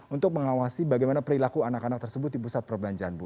untuk mengawasi bagaimana perilaku anak anak tersebut di pusat perbelanjaan bu